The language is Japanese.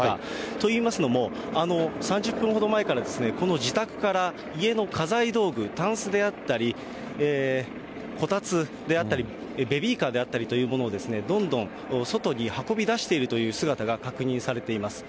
といいますのも、３０分ほど前から、この自宅から家の家財道具、たんすであったり、こたつであったり、ベビーカーであったりというものをどんどん外に運び出しているという姿が確認されています。